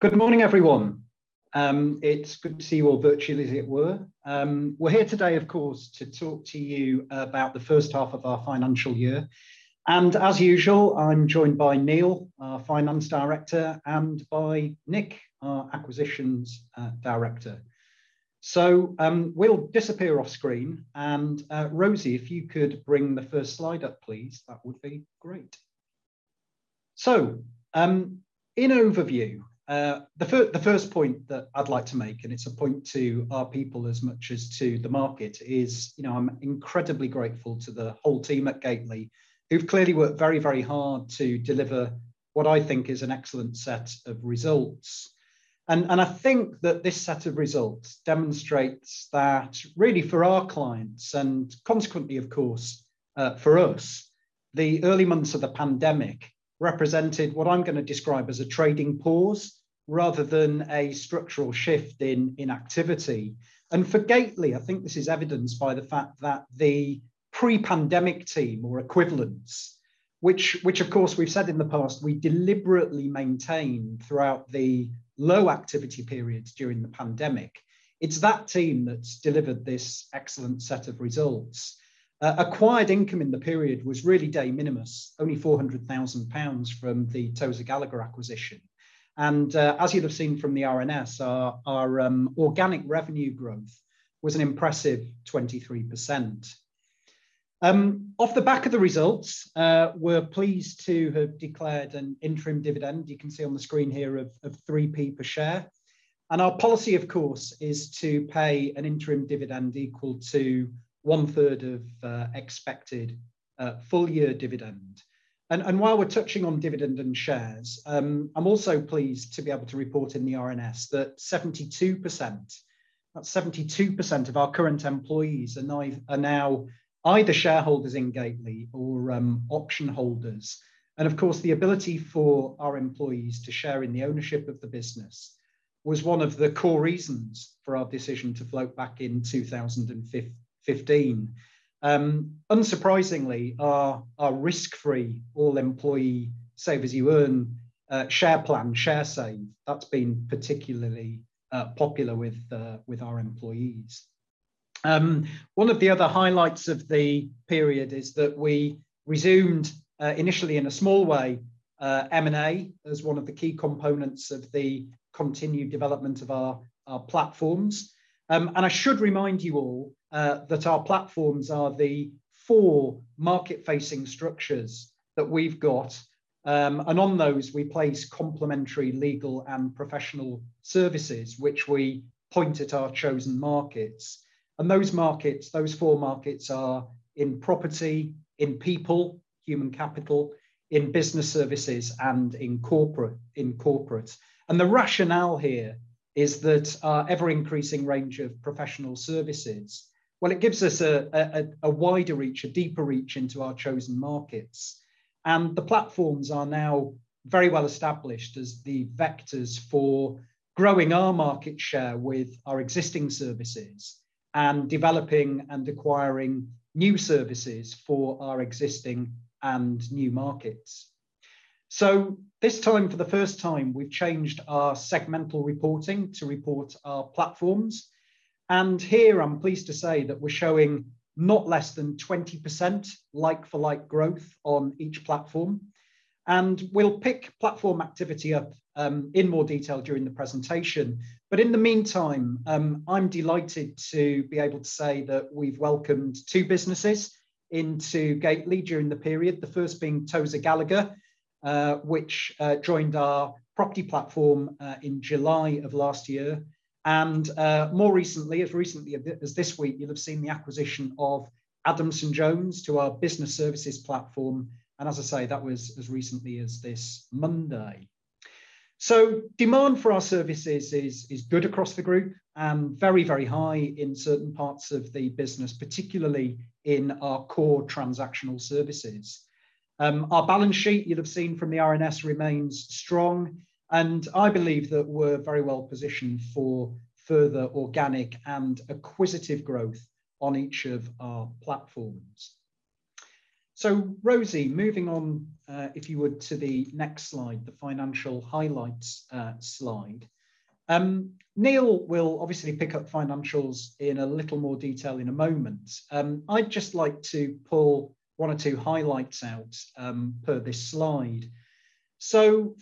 Good morning, everyone. It's good to see you all virtually as it were. We're here today, of course, to talk to you about the first half of our financial year. As usual, I'm joined by Neil, our finance director, and by Nick, our acquisitions director. We'll disappear off screen and, Rosie, if you could bring the first slide up, please, that would be great. In overview, the first point that I'd like to make, and it's a point to our people as much as to the market is, you know, I'm incredibly grateful to the whole team at Gateley who've clearly worked very, very hard to deliver what I think is an excellent set of results. I think that this set of results demonstrates that really for our clients and consequently, of course, for us, the early months of the pandemic represented what I'm gonna describe as a trading pause rather than a structural shift in activity. For Gateley, I think this is evidenced by the fact that the pre-pandemic team or equivalents, which of course we've said in the past we deliberately maintained throughout the low activity periods during the pandemic, it's that team that's delivered this excellent set of results. Acquired income in the period was really de minimis, only 400,000 pounds from the Tozer Gallagher acquisition. As you'll have seen from the RNS, our organic revenue growth was an impressive 23%. Off the back of the results, we're pleased to have declared an interim dividend, you can see on the screen here, of 3p per share. Our policy, of course, is to pay an interim dividend equal to one-third of expected full year dividend. While we're touching on dividend and shares, I'm also pleased to be able to report in the RNS that 72% of our current employees are now either shareholders in Gateley or option holders. Of course, the ability for our employees to share in the ownership of the business was one of the core reasons for our decision to float back in 2015. Unsurprisingly, our risk-free all-employee Save As You Earn share plan, Sharesave, that's been particularly popular with our employees. One of the other highlights of the period is that we resumed, initially in a small way, M&A as one of the key components of the continued development of our platforms. I should remind you all that our platforms are the four market-facing structures that we've got. On those we place complementary legal and professional services which we point at our chosen markets. Those markets, those four markets are in property, in people, human capital, in business services and in corporate. The rationale here is that our ever-increasing range of professional services, well, it gives us a wider reach, a deeper reach into our chosen markets. The platforms are now very well established as the vectors for growing our market share with our existing services and developing and acquiring new services for our existing and new markets. This time, for the first time, we've changed our segmental reporting to report our platforms. Here I'm pleased to say that we're showing not less than 20% like-for-like growth on each platform. We'll pick platform activity up in more detail during the presentation. In the meantime, I'm delighted to be able to say that we've welcomed two businesses into Gateley during the period. The first being Tozer Gallagher, which joined our property platform in July of last year, and more recently, as this week, you'll have seen the acquisition of Adamson Jones to our business services platform. As I say, that was as recently as this Monday. Demand for our services is good across the group and very, very high in certain parts of the business, particularly in our core transactional services. Our balance sheet, you'll have seen from the RNS, remains strong, and I believe that we're very well positioned for further organic and acquisitive growth on each of our platforms. Rosie, moving on, if you would to the next slide, the financial highlights slide. Neil will obviously pick up financials in a little more detail in a moment. I'd just like to pull one or two highlights out per this slide.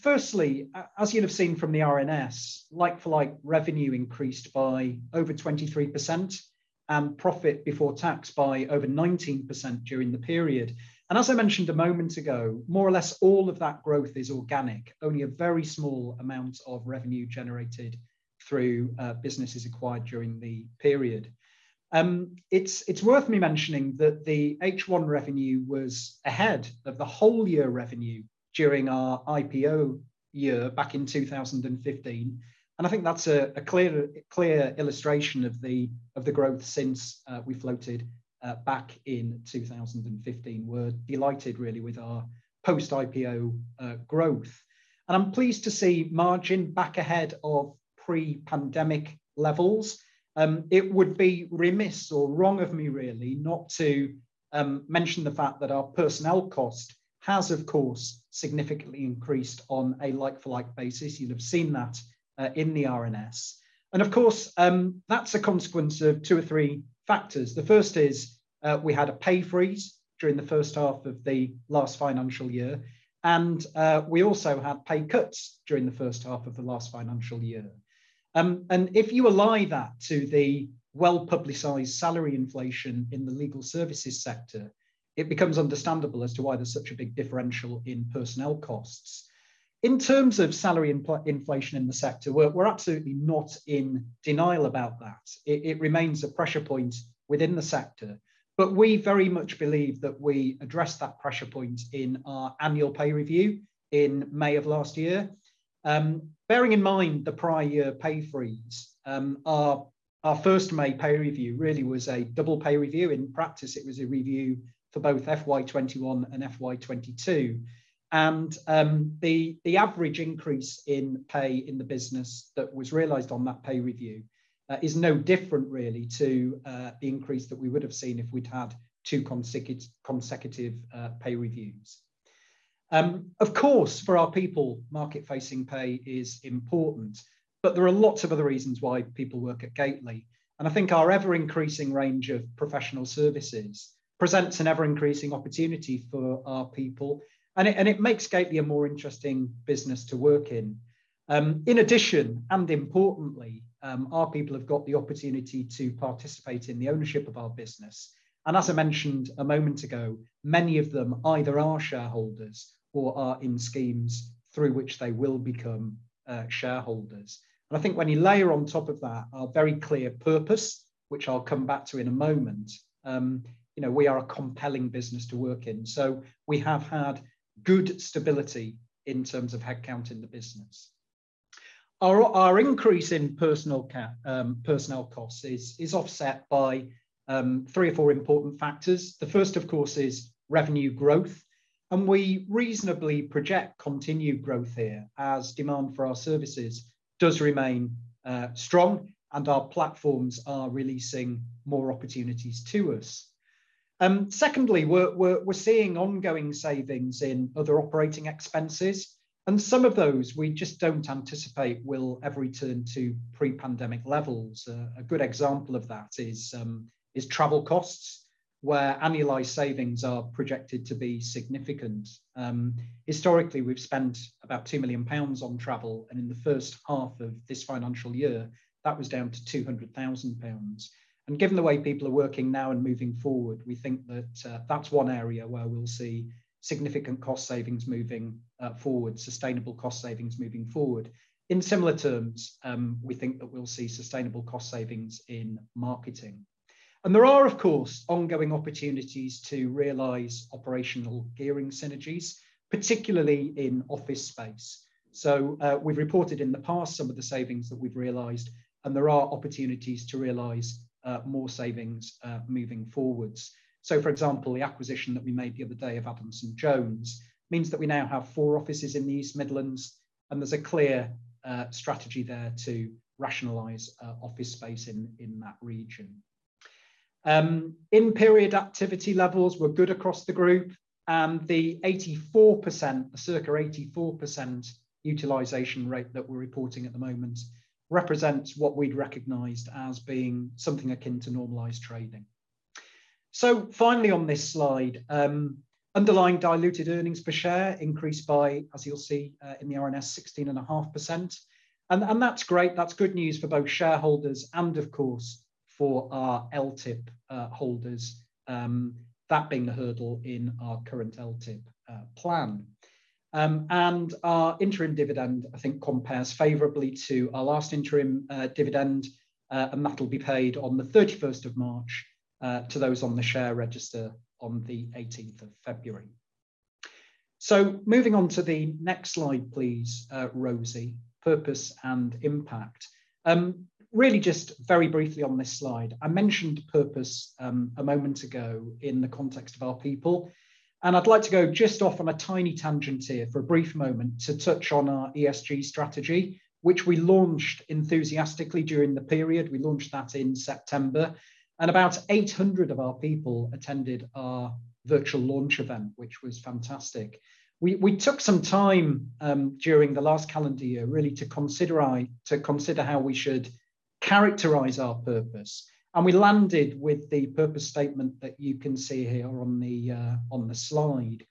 Firstly, as you'll have seen from the RNS, like-for-like revenue increased by over 23% and profit before tax by over 19% during the period. As I mentioned a moment ago, more or less all of that growth is organic, only a very small amount of revenue generated through businesses acquired during the period. It's worth me mentioning that the H1 revenue was ahead of the whole year revenue during our IPO year back in 2015, and I think that's a clear illustration of the growth since we floated back in 2015. We're delighted really with our post-IPO growth. I'm pleased to see margin back ahead of pre-pandemic levels. It would be remiss or wrong of me really not to mention the fact that our personnel cost has, of course, significantly increased on a like-for-like basis. You'll have seen that in the RNS. Of course, that's a consequence of two or three factors. The first is, we had a pay freeze during the first half of the last financial year, and we also had pay cuts during the first half of the last financial year. If you ally that to the well-publicized salary inflation in the legal services sector, it becomes understandable as to why there's such a big differential in personnel costs. In terms of salary inflation in the sector, we're absolutely not in denial about that. It remains a pressure point within the sector. We very much believe that we addressed that pressure point in our annual pay review in May of last year. Bearing in mind the prior year pay freeze, our first May pay review really was a double pay review. In practice, it was a review for both FY 2021 and FY 2022. The average increase in pay in the business that was realized on that pay review is no different really to the increase that we would have seen if we'd had two consecutive pay reviews. Of course, for our people, market facing pay is important, but there are lots of other reasons why people work at Gateley. I think our ever-increasing range of professional services presents an ever-increasing opportunity for our people, and it makes Gateley a more interesting business to work in. In addition, and importantly, our people have got the opportunity to participate in the ownership of our business. As I mentioned a moment ago, many of them either are shareholders or are in schemes through which they will become shareholders. I think when you layer on top of that our very clear purpose, which I'll come back to in a moment, you know, we are a compelling business to work in. We have had good stability in terms of headcount in the business. Our increase in personnel costs is offset by three or four important factors. The first, of course, is revenue growth, and we reasonably project continued growth here as demand for our services does remain strong and our platforms are releasing more opportunities to us. Secondly, we're seeing ongoing savings in other operating expenses, and some of those we just don't anticipate will ever return to pre-pandemic levels. A good example of that is travel costs, where annualized savings are projected to be significant. Historically, we've spent about 2 million pounds on travel, and in the first half of this financial year, that was down to 200,000 pounds. Given the way people are working now and moving forward, we think that that's one area where we'll see significant cost savings moving forward, sustainable cost savings moving forward. In similar terms, we think that we'll see sustainable cost savings in marketing. There are, of course, ongoing opportunities to realize operational gearing synergies, particularly in office space. We've reported in the past some of the savings that we've realized, and there are opportunities to realize more savings moving forward. For example, the acquisition that we made the other day of Adamson Jones means that we now have four offices in the East Midlands, and there's a clear strategy there to rationalize office space in that region. In-period activity levels were good across the group, and the 84%, circa 84% utilization rate that we're reporting at the moment represents what we'd recognized as being something akin to normalized trading. Finally on this slide, underlying diluted earnings per share increased by, as you'll see, in the RNS, 16.5%. That's great. That's good news for both shareholders and of course for our LTIP holders, that being the hurdle in our current LTIP plan. Our interim dividend, I think, compares favorably to our last interim dividend, and that'll be paid on the 31st of March to those on the share register on the 18th of February. Moving on to the next slide, please, Rosie. Purpose and impact. Really just very briefly on this slide, I mentioned purpose a moment ago in the context of our people, and I'd like to go just off on a tiny tangent here for a brief moment to touch on our ESG strategy, which we launched enthusiastically during the period. We launched that in September. About 800 of our people attended our virtual launch event, which was fantastic. We took some time during the last calendar year really to consider how we should characterize our purpose, and we landed with the purpose statement that you can see here on the slide.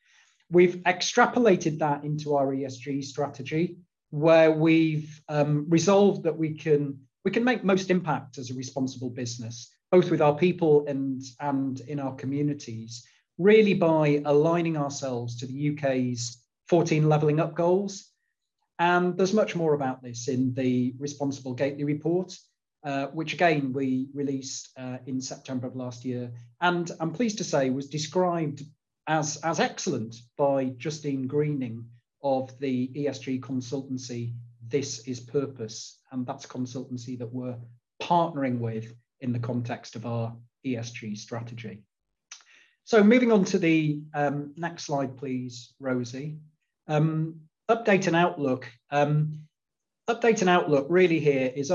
We've extrapolated that into our ESG strategy, where we've resolved that we can make most impact as a responsible business, both with our people and in our communities, really by aligning ourselves to the U.K.'s 14 Leveling Up Goals. There's much more about this in the Responsible Gateley report, which again, we released in September of last year and I'm pleased to say was described as excellent by Justine Greening of the ESG consultancy This Is Purpose, and that's a consultancy that we're partnering with in the context of our ESG strategy. Moving on to the next slide, please, Rosie. Update and outlook. Update and outlook really is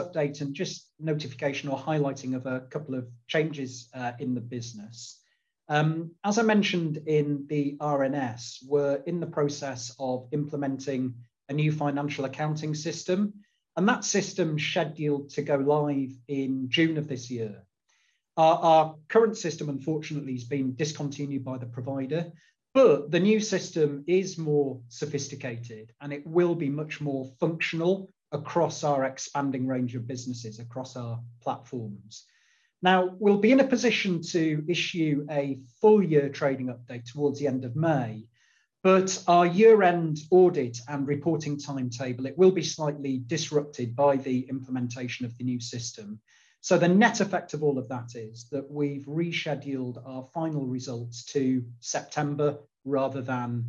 just notification or highlighting of a couple of changes in the business. As I mentioned in the RNS, we're in the process of implementing a new financial accounting system, and that system's scheduled to go live in June of this year. Our current system unfortunately is being discontinued by the provider, but the new system is more sophisticated, and it will be much more functional across our expanding range of businesses, across our platforms. Now, we'll be in a position to issue a full year trading update towards the end of May, but our year-end audit and reporting timetable it will be slightly disrupted by the implementation of the new system. The net effect of all of that is that we've rescheduled our final results to September rather than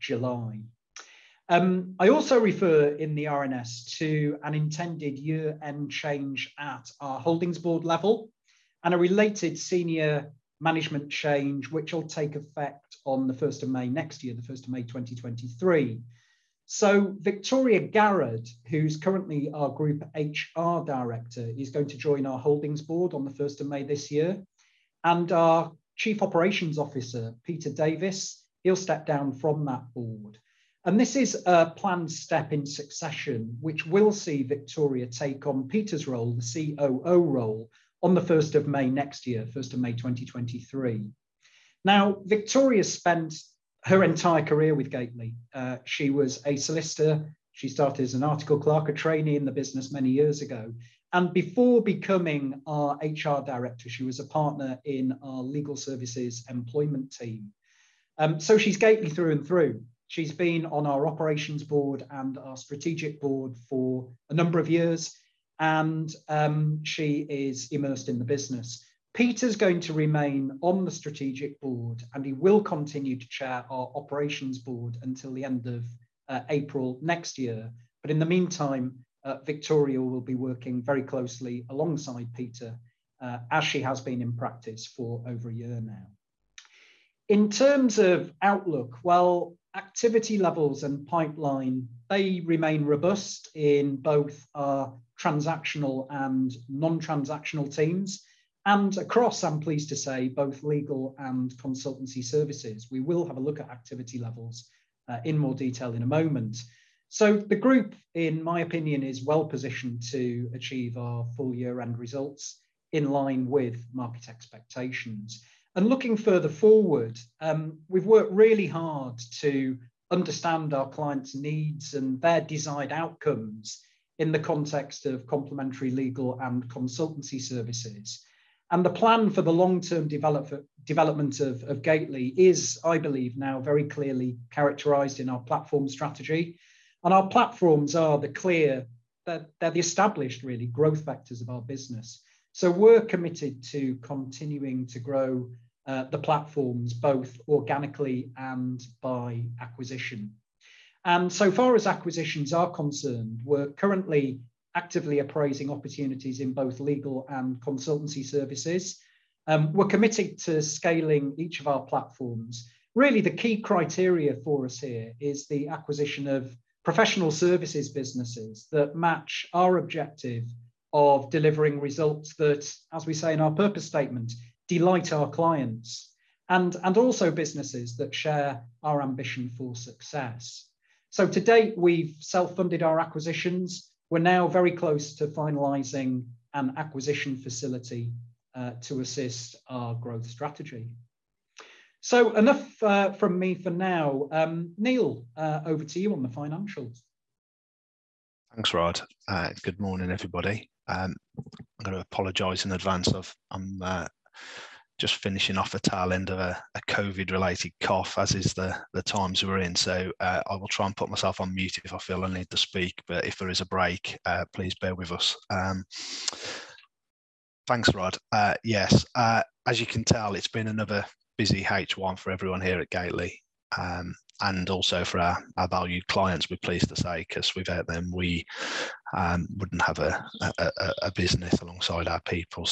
July. I also refer in the RNS to an intended year-end change at our Holdings Board level and a related senior management change which will take effect on the 1st of May next year, the 1st of May 2023. Victoria Garrad, who's currently our Group HR Director, is going to join our Holdings Board on the 1st of May this year. Our Chief Operating Officer, Peter Davies, he'll step down from that board. This is a planned step in succession which will see Victoria take on Peter's role, the COO role, on the 1st of May next year, 1st of May 2023. Now, Victoria spent her entire career with Gateley. She was a solicitor. She started as an article clerk, a trainee in the business many years ago. Before becoming our HR Director, she was a partner in our legal services employment team. She's Gateley through and through. She's been on our operations board and our strategic board for a number of years, and she is immersed in the business. Peter's going to remain on the strategic board, and he will continue to chair our operations board until the end of April next year. In the meantime, Victoria will be working very closely alongside Peter, as she has been in practice for over a year now. In terms of outlook, well, activity levels and pipeline, they remain robust in both our transactional and non-transactional teams. Across, I'm pleased to say, both legal and consultancy services. We will have a look at activity levels in more detail in a moment. The group, in my opinion, is well-positioned to achieve our full year-end results in line with market expectations. Looking further forward, we've worked really hard to understand our clients' needs and their desired outcomes in the context of complementary legal and consultancy services. The plan for the long-term development of Gateley is, I believe, now very clearly characterized in our platform strategy. Our platforms are the established really growth vectors of our business. We're committed to continuing to grow the platforms both organically and by acquisition. So far as acquisitions are concerned, we're currently actively appraising opportunities in both legal and consultancy services. We're committed to scaling each of our platforms. Really the key criteria for us here is the acquisition of professional services businesses that match our objective of delivering results that, as we say in our purpose statement, delight our clients and also businesses that share our ambition for success. To date, we've self-funded our acquisitions. We're now very close to finalizing an acquisition facility to assist our growth strategy. Enough from me for now. Neil, over to you on the financials. Thanks, Rod. Good morning, everybody. I'm gonna apologize in advance of, I'm just finishing off the tail end of a COVID-related cough, as is the times we're in. I will try and put myself on mute if I feel a need to speak. But if there is a break, please bear with us. Thanks, Rod. Yes, as you can tell, it's been another busy H1 for everyone here at Gateley, and also for our valued clients we're pleased to say, 'cause without them we wouldn't have a business alongside our people.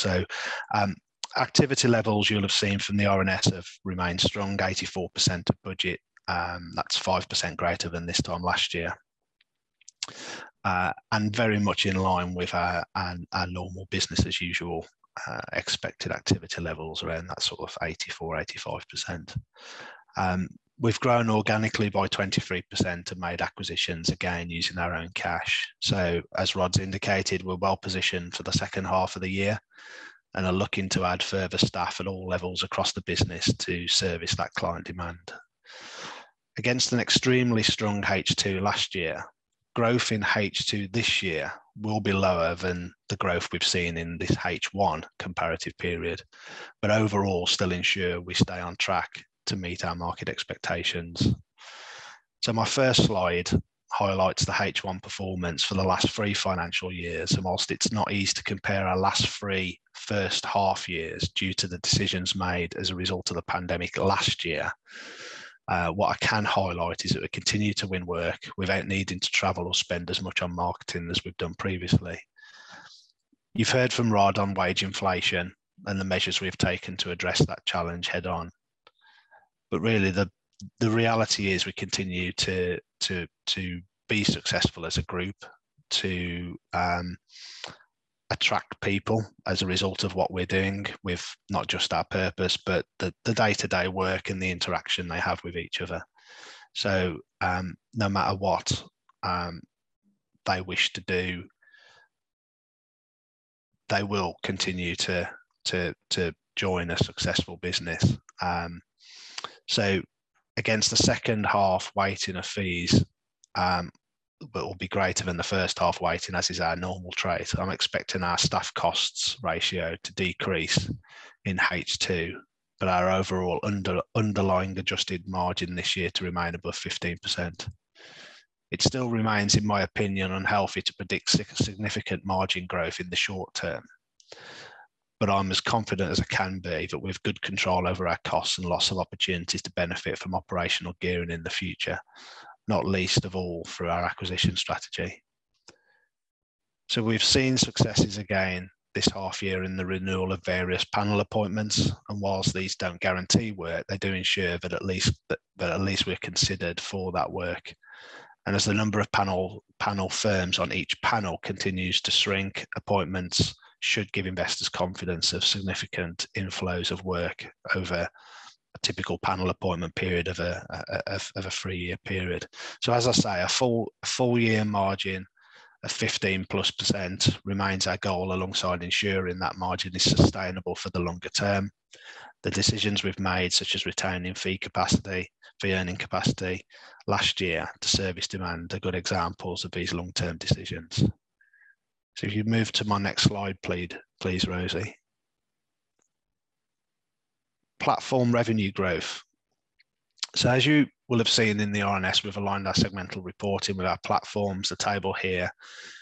Activity levels you'll have seen from the RNS have remained strong, 84% of budget. That's 5% greater than this time last year. Very much in line with our normal business as usual, expected activity levels around that sort of 84%-85%. We've grown organically by 23% and made acquisitions again using our own cash. As Rod's indicated, we're well positioned for the second half of the year and are looking to add further staff at all levels across the business to service that client demand. Against an extremely strong H2 last year, growth in H2 this year will be lower than the growth we've seen in this H1 comparative period, but overall still ensure we stay on track to meet our market expectations. My first slide highlights the H1 performance for the last three financial years. While it's not easy to compare our last three first half-years due to the decisions made as a result of the pandemic last year, what I can highlight is that we continue to win work without needing to travel or spend as much on marketing as we've done previously. You've heard from Rod on wage inflation and the measures we've taken to address that challenge head-on. Really, the reality is we continue to be successful as a group, to attract people as a result of what we're doing with not just our purpose, but the day-to-day work and the interaction they have with each other. No matter what they wish to do, they will continue to join a successful business. Against the second half weighting of fees, that will be greater than the first half weighting, as is our normal trait. I'm expecting our staff costs ratio to decrease in H2, but our overall underlying adjusted margin this year to remain above 15%. It still remains, in my opinion, unhealthy to predict significant margin growth in the short term. I'm as confident as I can be that we've good control over our costs and lots of opportunities to benefit from operational gearing in the future, not least of all through our acquisition strategy. We've seen successes again this half year in the renewal of various panel appointments, and while these don't guarantee work, they do ensure that at least we're considered for that work. As the number of panel firms on each panel continues to shrink, appointments should give investors confidence of significant inflows of work over a typical panel appointment period of a three-year period. As I say, a full year margin of 15%+ remains our goal alongside ensuring that margin is sustainable for the longer term. The decisions we've made, such as retaining fee capacity, fee earning capacity last year to service demand are good examples of these long-term decisions. If you'd move to my next slide, please, Rosie. Platform revenue growth. As you will have seen in the RNS, we've aligned our segmental reporting with our platforms, the table here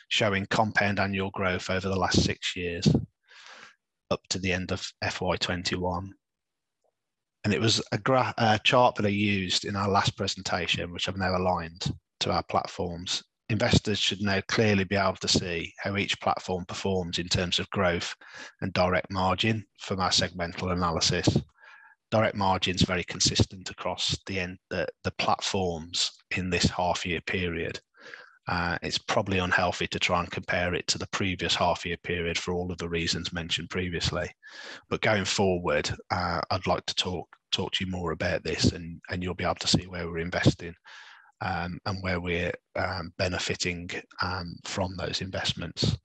showing compound annual growth over the last six years up to the end of FY 2021. It was a chart that I used in our last presentation, which I've now aligned to our platforms. Investors should now clearly be able to see how each platform performs in terms of growth and direct margin from our segmental analysis. Direct margin's very consistent across the platforms in this half year period. It's probably unhealthy to try and compare it to the previous half year period for all of the reasons mentioned previously. Going forward, I'd like to talk to you more about this and you'll be able to see where we're investing and where we're benefiting from those investments.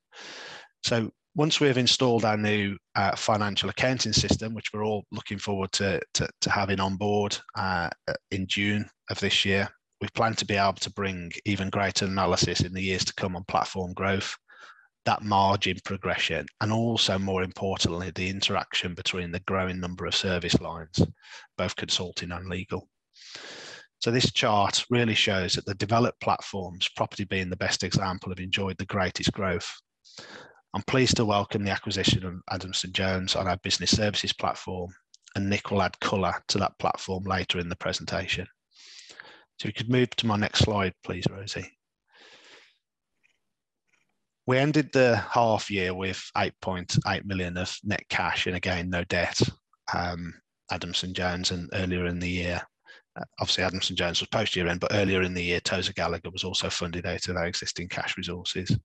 Once we have installed our new financial accounting system, which we're all looking forward to having on board in June of this year, we plan to be able to bring even greater analysis in the years to come on platform growth, that margin progression, and also, more importantly, the interaction between the growing number of service lines, both consulting and legal. This chart really shows that the developed platforms, property being the best example, have enjoyed the greatest growth. I'm pleased to welcome the acquisition of Adamson Jones on our Business Services Platform, and Nick will add color to that platform later in the presentation. If you could move to my next slide, please, Rosie. We ended the half year with 8.8 million of net cash and again, no debt, Adamson Jones and earlier in the year. Obviously, Adamson Jones was post year-end, but earlier in the year, Tozer Gallagher was also funded out of our existing cash resources.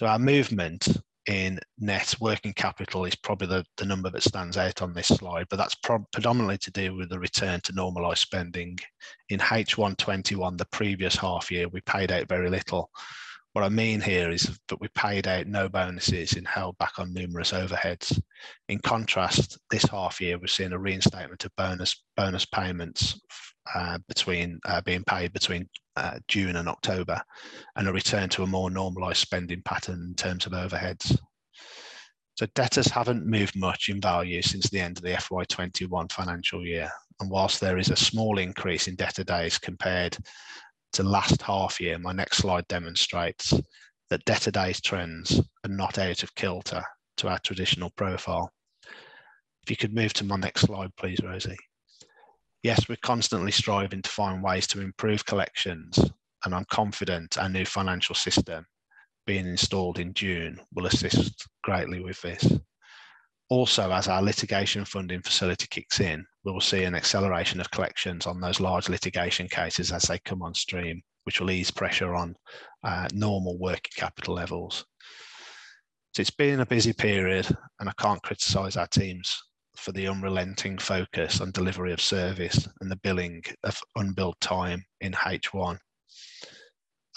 Our movement in net working capital is probably the number that stands out on this slide, but that's predominantly to do with the return to normalized spending. In H1 2021, the previous half year, we paid out very little. What I mean here is that we paid out no bonuses and held back on numerous overheads. In contrast, this half year, we've seen a reinstatement of bonus payments being paid between June and October and a return to a more normalized spending pattern in terms of overheads. Debtors haven't moved much in value since the end of the FY 2021 financial year. Whilst there is a small increase in debtor days compared to last half year, my next slide demonstrates that debtor days trends are not out of kilter to our traditional profile. If you could move to my next slide, please, Rosie. Yes, we're constantly striving to find ways to improve collections, and I'm confident our new financial system being installed in June will assist greatly with this. Also, as our litigation funding facility kicks in, we will see an acceleration of collections on those large litigation cases as they come on stream, which will ease pressure on normal working capital levels. It's been a busy period, and I can't criticize our teams for the unrelenting focus on delivery of service and the billing of unbilled time in H1.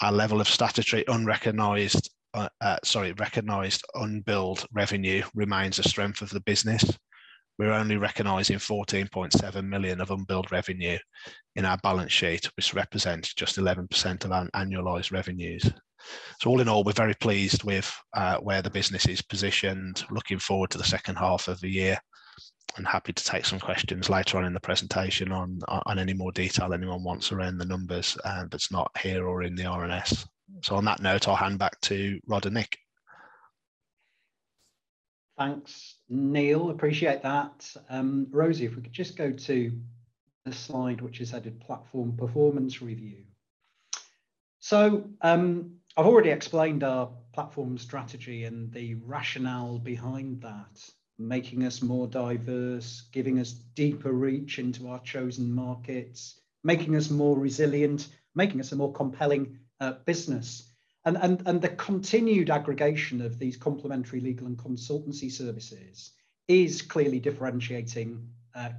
Our level of statutory recognized unbilled revenue remains a strength of the business. We're only recognizing 14.7 million of unbilled revenue in our balance sheet, which represents just 11% of annualized revenues. All in all, we're very pleased with where the business is positioned. Looking forward to the second half of the year and happy to take some questions later on in the presentation on any more detail anyone wants around the numbers that's not here or in the RNS. On that note, I'll hand back to Rod and Nick. Thanks, Neil. I appreciate that. Rosie, if we could just go to the slide which is headed Platform Performance Review. I've already explained our platform strategy and the rationale behind that, making us more diverse, giving us deeper reach into our chosen markets, making us more resilient, making us a more compelling business. The continued aggregation of these complementary legal and consultancy services is clearly differentiating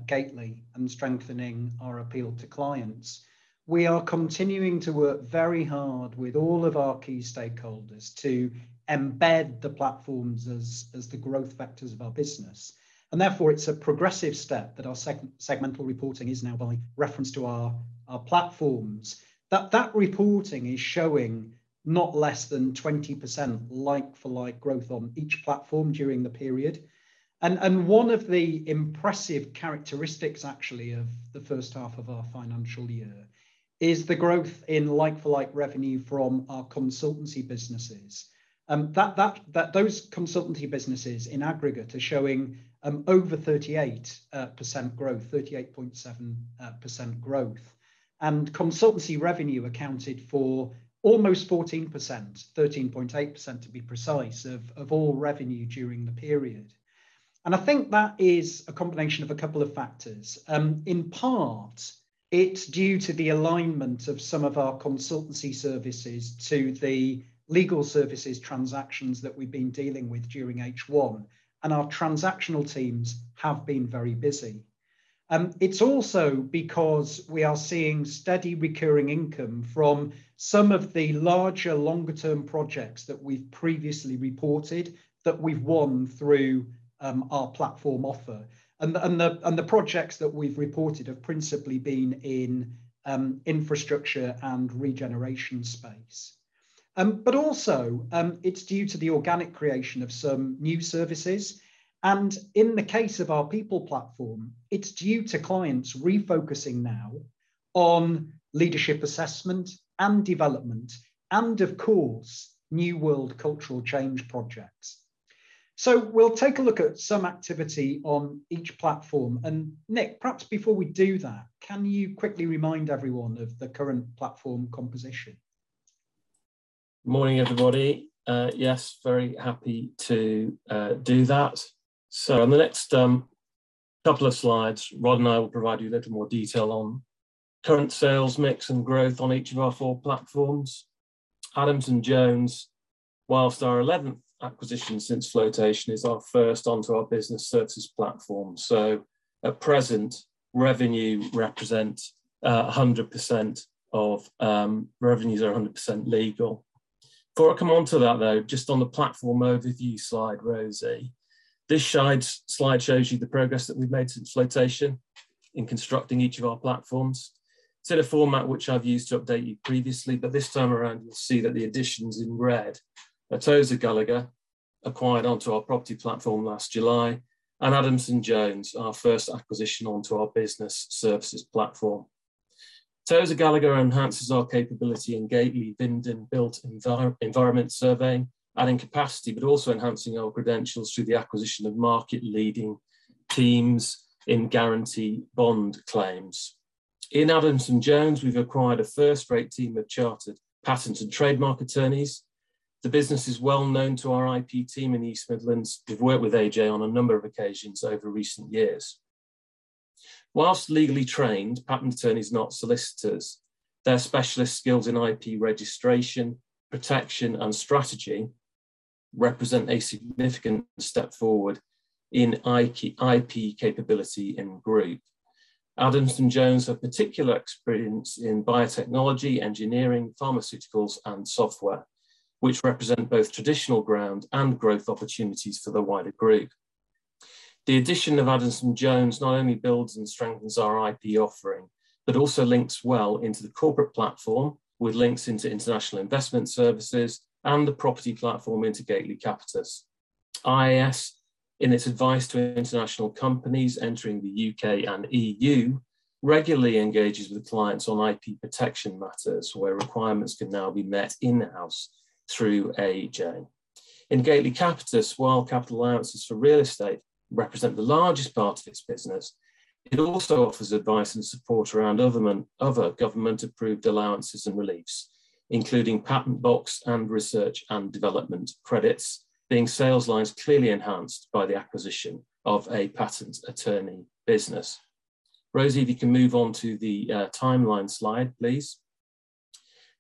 Gateley and strengthening our appeal to clients. We are continuing to work very hard with all of our key stakeholders to embed the platforms as the growth vectors of our business, and therefore, it's a progressive step that our segmental reporting is now by reference to our platforms. That reporting is showing not less than 20% like-for-like growth on each platform during the period. One of the impressive characteristics actually of the first half of our financial year is the growth in like-for-like revenue from our consultancy businesses. Those consultancy businesses in aggregate are showing over 38.7% growth. Consultancy revenue accounted for almost 14%, 13.8% to be precise, of all revenue during the period. I think that is a combination of a couple of factors. In part, it's due to the alignment of some of our consultancy services to the legal services transactions that we've been dealing with during H1, and our transactional teams have been very busy. It's also because we are seeing steady recurring income from some of the larger, longer term projects that we've previously reported that we've won through our platform offer. The projects that we've reported have principally been in infrastructure and regeneration space. Also, it's due to the organic creation of some new services, and in the case of our people platform, it's due to clients refocusing now on leadership assessment and development and of course, new world cultural change projects. We'll take a look at some activity on each platform. Nick, perhaps before we do that, can you quickly remind everyone of the current platform composition? Morning, everybody. Yes, very happy to do that. On the next couple of slides, Rod and I will provide you a little more detail on current sales mix and growth on each of our four platforms. Adamson Jones, while our eleventh acquisition since flotation, is our first onto our Business Services Platform. At present, revenues are 100% legal. Before I come onto that, though, just on the platform overview slide, Rosie. This slide shows you the progress that we've made since flotation in constructing each of our platforms. It's in a format which I've used to update you previously, but this time around you'll see that the additions in red are Tozer Gallagher, acquired onto our Property Platform last July, and Adamson Jones, our first acquisition onto our Business Services Platform. Tozer Gallagher enhances our capability in Gateley Vinden built environment surveying, adding capacity, but also enhancing our credentials through the acquisition of market-leading teams in guarantee bond claims. In Adamson Jones, we've acquired a first-rate team of chartered patent and trademark attorneys. The business is well known to our IP team in the East Midlands who've worked with AJ on a number of occasions over recent years. While legally trained, patent attorneys are not solicitors, their specialist skills in IP registration, protection, and strategy represent a significant step forward in IP capability in group. Adamson Jones have particular experience in biotechnology, engineering, pharmaceuticals, and software, which represent both traditional ground and growth opportunities for the wider group. The addition of Adamson Jones not only builds and strengthens our IP offering, but also links well into the corporate platform with links into international investment services and the property platform into Gateley Capitus. IIS, in its advice to international companies entering the U.K. and E.U., regularly engages with clients on IP protection matters, where requirements can now be met in-house through AJ. In Gateley Capitus, while capital allowances for real estate represent the largest part of its business, it also offers advice and support around other government-approved allowances and reliefs, including Patent Box and research and development credits, being sales lines clearly enhanced by the acquisition of a patents attorney business. Rosie, if you can move on to the timeline slide, please.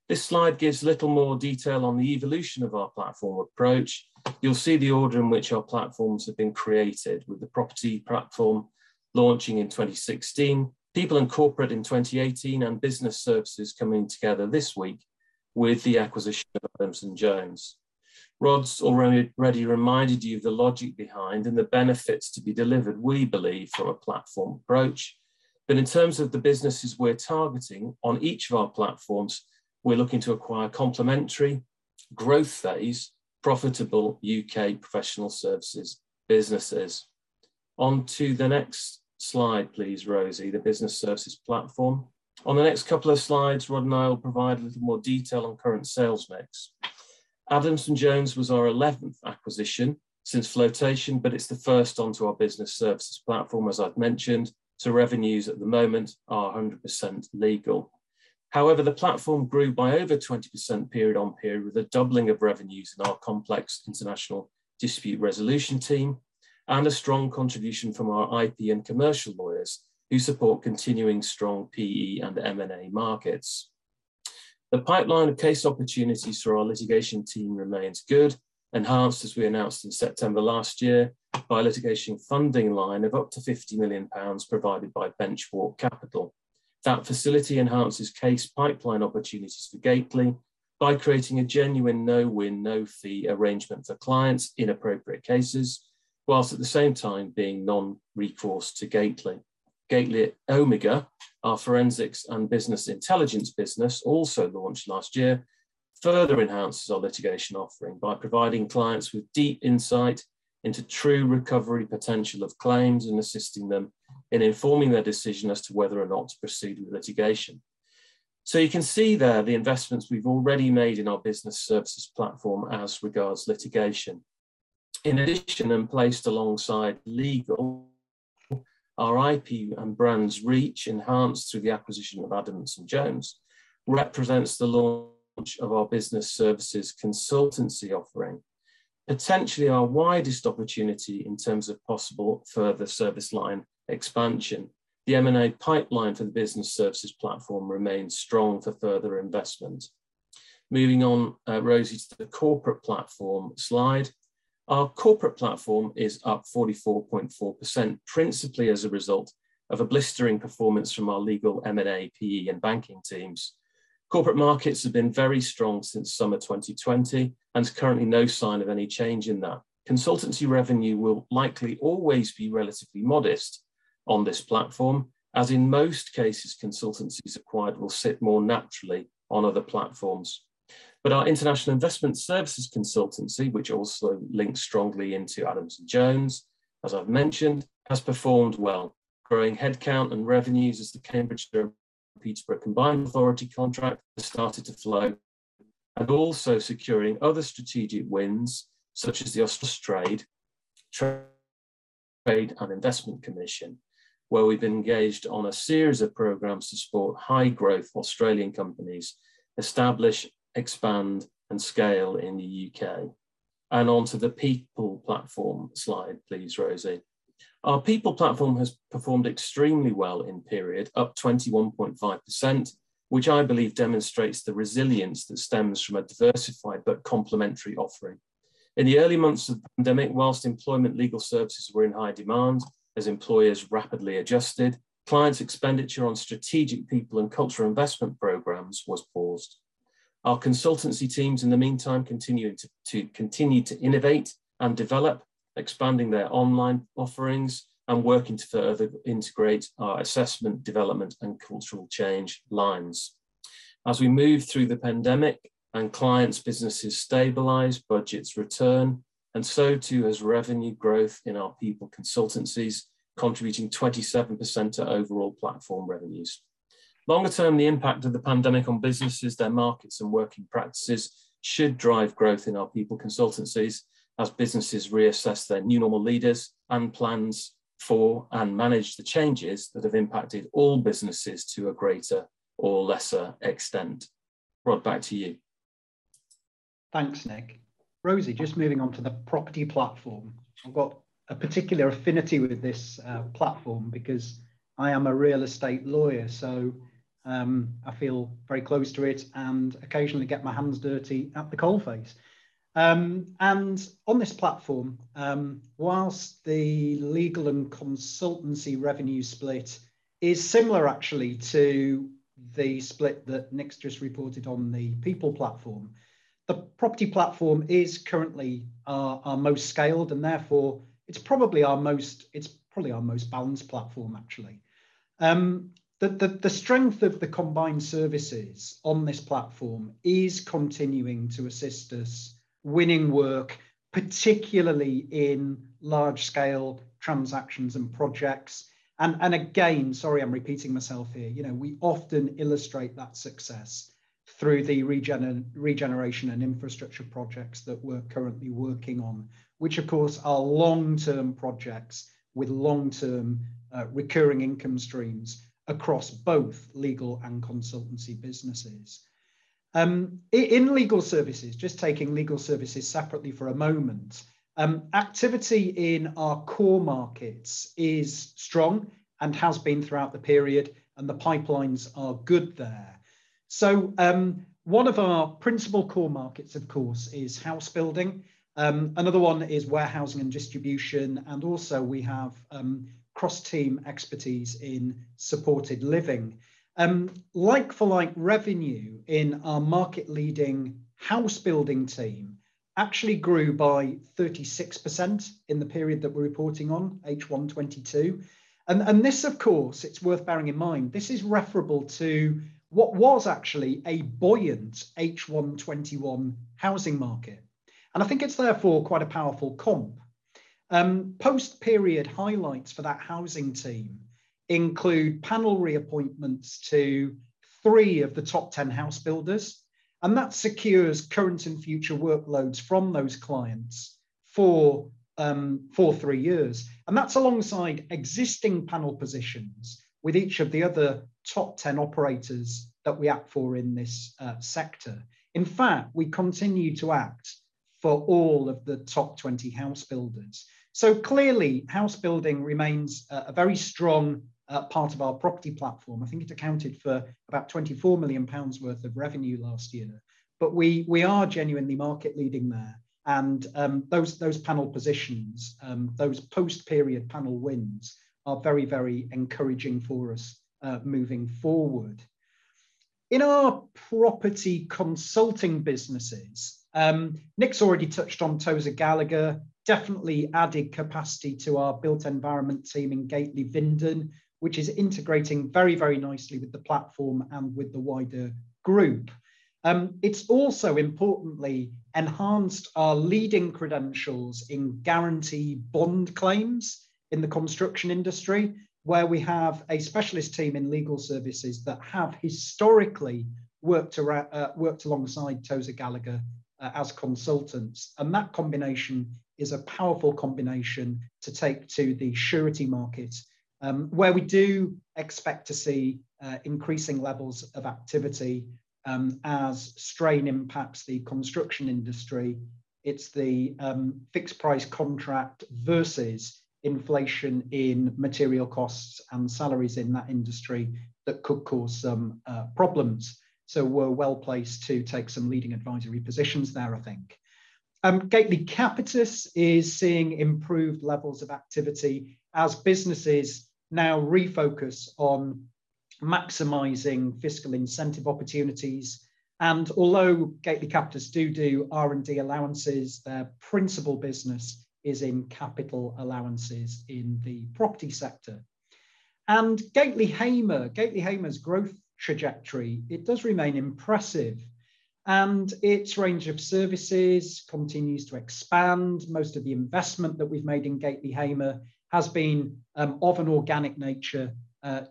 This slide gives a little more detail on the evolution of our platform approach. You'll see the order in which our platforms have been created, with the property platform launching in 2016, people and corporate in 2018, and business services coming together this week with the acquisition of Adamson Jones. Rod's already reminded you of the logic behind and the benefits to be delivered, we believe, from a platform approach. In terms of the businesses we're targeting on each of our platforms, we're looking to acquire complementary growth phase, profitable UK professional services businesses. On to the next slide, please, Rosie, the business services platform. On the next couple of slides, Rod and I will provide a little more detail on current sales mix. Adamson Jones was our 11th acquisition since flotation, but it's the first onto our business services platform, as I've mentioned, so revenues at the moment are 100% legal. However, the platform grew by over 20% period-on-period, with a doubling of revenues in our complex international dispute resolution team and a strong contribution from our IP and commercial lawyers who support continuing strong PE and M&A markets. The pipeline of case opportunities for our litigation team remains good, enhanced as we announced in September last year by a litigation funding line of up to 50 million pounds provided by Bench Walk Advisors. That facility enhances case pipeline opportunities for Gateley by creating a genuine no win, no fee arrangement for clients in appropriate cases, whilst at the same time being non-recourse to Gateley. Gateley Omega, our forensics and business intelligence business, also launched last year, further enhances our litigation offering by providing clients with deep insight into true recovery potential of claims and assisting them in informing their decision as to whether or not to proceed with litigation. You can see there the investments we've already made in our business services platform as regards litigation. In addition, and placed alongside legal, our IP and brands reach enhanced through the acquisition of Adamson Jones represents the launch of our business services consultancy offering, potentially our widest opportunity in terms of possible further service line expansion. The M&A pipeline for the business services platform remains strong for further investment. Moving on, Rosie, to the corporate platform slide. Our corporate platform is up 44.4%, principally as a result of a blistering performance from our legal M&A, PE and banking teams. Corporate markets have been very strong since summer 2020, and there's currently no sign of any change in that. Consultancy revenue will likely always be relatively modest on this platform, as in most cases consultancies acquired will sit more naturally on other platforms. Our international investment services consultancy, which also links strongly into Adamson Jones, as I've mentioned, has performed well, growing headcount and revenues as the Cambridgeshire and Peterborough Combined Authority contract has started to flow, and also securing other strategic wins such as the Australian Trade and Investment Commission, where we've engaged on a series of programs to support high-growth Australian companies establish, expand and scale in the U.K. Onto the people platform slide, please, Rosie. Our people platform has performed extremely well in period, up 21.5%, which I believe demonstrates the resilience that stems from a diversified but complementary offering. In the early months of the pandemic, while employment legal services were in high demand as employers rapidly adjusted, clients' expenditure on strategic people and cultural investment programs was paused. Our consultancy teams in the meantime continued to continue to innovate and develop, expanding their online offerings and working to further integrate our assessment, development and cultural change lines. As we move through the pandemic and clients' businesses stabilize, budgets return, and so too has revenue growth in our people consultancies, contributing 27% to overall platform revenues. Longer term, the impact of the pandemic on businesses, their markets and working practices should drive growth in our people consultancies as businesses reassess their new normal leaders and plans for and manage the changes that have impacted all businesses to a greater or lesser extent. Rod, back to you. Thanks, Nick. Rosie, just moving on to the property platform. I've got a particular affinity with this platform because I am a real estate lawyer, so I feel very close to it and occasionally get my hands dirty at the coalface. On this platform, while the legal and consultancy revenue split is similar actually to the split that Nick's just reported on the people platform, the property platform is currently our most scaled, and therefore it's probably our most balanced platform actually. The strength of the combined services on this platform is continuing to assist us winning work, particularly in large scale transactions and projects. Again, sorry I'm repeating myself here, you know, we often illustrate that success through the regeneration and infrastructure projects that we're currently working on, which of course are long-term projects with long-term recurring income streams across both legal and consultancy businesses. In legal services, just taking legal services separately for a moment, activity in our core markets is strong and has been throughout the period, and the pipelines are good there. One of our principal core markets, of course, is house building. Another one is warehousing and distribution, and also we have cross-team expertise in supported living. Like for like revenue in our market leading house building team actually grew by 36% in the period that we're reporting on, H1 2022. This of course, it's worth bearing in mind, this is referable to what was actually a buoyant H1 2021 housing market. I think it's therefore quite a powerful comps, post period highlights for that housing team include panel reappointments to three of the top 10 house builders, and that secures current and future workloads from those clients for three years. That's alongside existing panel positions with each of the other top 10 operators that we act for in this sector. In fact, we continue to act for all of the top 20 house builders. Clearly, house building remains a very strong part of our property platform. I think it accounted for about 24 million pounds worth of revenue last year. We are genuinely market leading there and those panel positions, those post-period panel wins are very encouraging for us, moving forward. In our property consulting businesses, Nick's already touched on Tozer Gallagher. Tozer Gallagher definitely added capacity to our built environment team in Gateley Vinden, which is integrating very nicely with the platform and with the wider group. It's also importantly enhanced our leading credentials in guarantee bond claims in the construction industry, where we have a specialist team in legal services that have historically worked alongside Tozer Gallagher, as consultants. That combination is a powerful combination to take to the surety market, where we do expect to see increasing levels of activity, as strain impacts the construction industry. It's the fixed price contract versus inflation in material costs and salaries in that industry that could cause some problems. We're well-placed to take some leading advisory positions there, I think. Gateley Capitus is seeing improved levels of activity as businesses now refocus on maximizing fiscal incentive opportunities. Although Gateley Capitus do R&D allowances, their principal business is in capital allowances in the property sector. Gateley Hamer's growth trajectory, it does remain impressive and its range of services continues to expand. Most of the investment that we've made in Gateley Hamer has been of an organic nature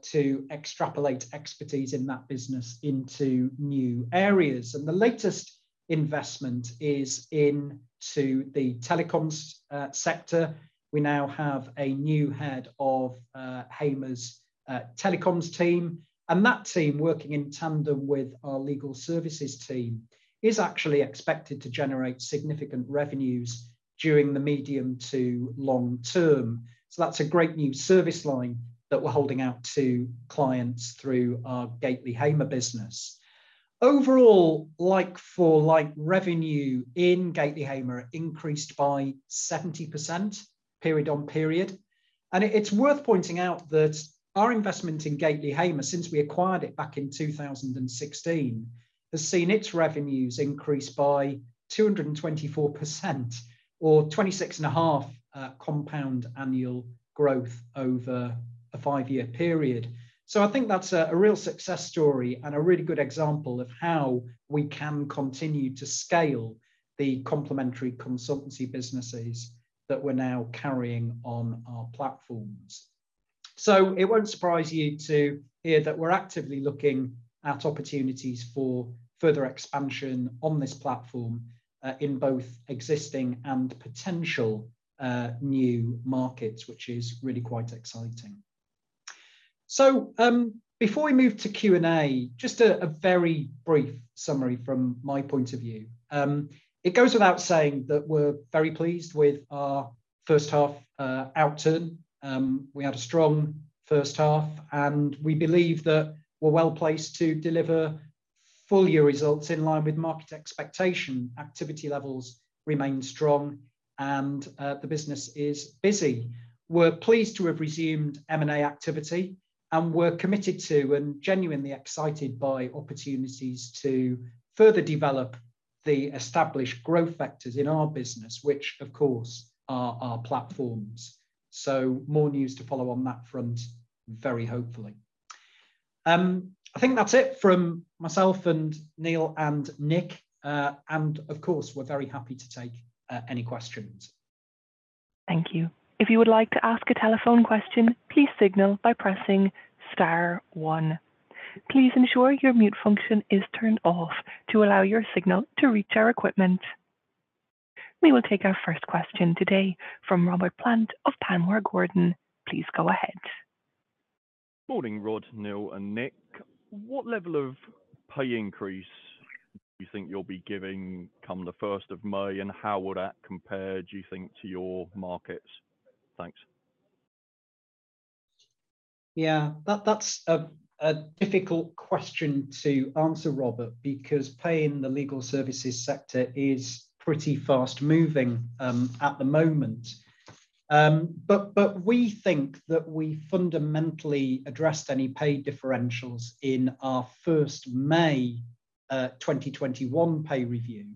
to extrapolate expertise in that business into new areas. The latest investment is into the telecoms sector. We now have a new head of Hamer's telecoms team, and that team, working in tandem with our legal services team, is actually expected to generate significant revenues during the medium to long term. That's a great new service line that we're holding out to clients through our Gateley Hamer business. Overall, like-for-like revenue in Gateley Hamer increased by 70% period on period. It's worth pointing out that our investment in Gateley Hamer since we acquired it back in 2016 has seen its revenues increase by 224% or 26.5% compound annual growth over a five-year period. I think that's a real success story and a really good example of how we can continue to scale the complementary consultancy businesses that we're now carrying on our platforms. It won't surprise you to hear that we're actively looking at opportunities for further expansion on this platform, in both existing and potential, new markets, which is really quite exciting. Before we move to Q&A, just a very brief summary from my point of view. It goes without saying that we're very pleased with our first half, outturn. We had a strong first half, and we believe that we're well-placed to deliver full year results in line with market expectation. Activity levels remain strong and, the business is busy. We're pleased to have resumed M&A activity, and we're committed to and genuinely excited by opportunities to further develop the established growth vectors in our business, which of course are our platforms. More news to follow on that front very hopefully. I think that's it from myself and Neil and Nick. Of course we're very happy to take any questions. Thank you. If you would like to ask a telephone question, please signal by pressing star one. Please ensure your mute function is turned off to allow your signal to reach our equipment. We will take our first question today from Robert Plant of Panmure Gordon. Please go ahead. Morning, Rod, Neil and Nick. What level of pay increase do you think you'll be giving come the 1st of May, and how would that compare, do you think, to your markets? Thanks. Yeah. That's a difficult question to answer, Robert, because pay in the legal services sector is pretty fast-moving at the moment. But we think that we fundamentally addressed any pay differentials in our 1st May 2021 pay review.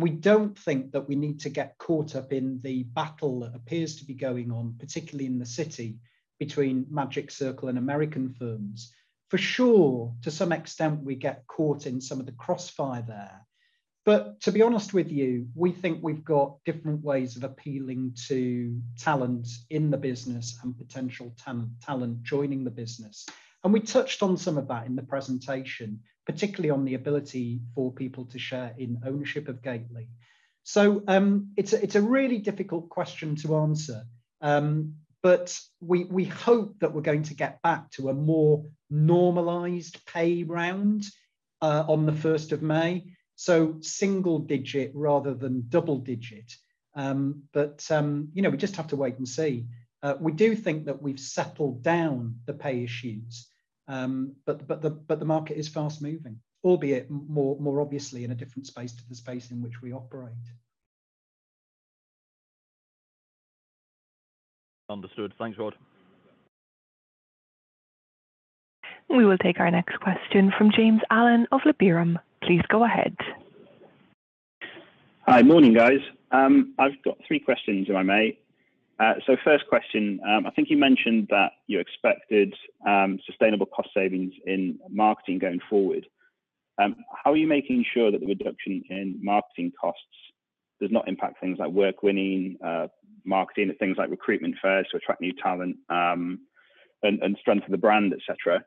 We don't think that we need to get caught up in the battle that appears to be going on, particularly in the city between Magic Circle and American firms. For sure, to some extent, we get caught in some of the crossfire there. But to be honest with you, we think we've got different ways of appealing to talent in the business and potential talent joining the business. We touched on some of that in the presentation, particularly on the ability for people to share in ownership of Gateley. It's a really difficult question to answer. We hope that we're going to get back to a more normalized pay round, on the 1st of May, so single digit rather than double digit. You know, we just have to wait and see. We do think that we've settled down the pay issues, but the market is fast-moving, albeit more obviously in a different space to the space in which we operate. Understood. Thanks, Rod. We will take our next question from James Allen of Liberum. Please go ahead. Hi. Morning, guys. I've got three questions, if I may. First question. I think you mentioned that you expected sustainable cost savings in marketing going forward. How are you making sure that the reduction in marketing costs does not impact things like work winning, marketing at things like recruitment fairs to attract new talent, and strengthen the brand, et cetera?